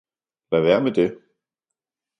»Lad være med det!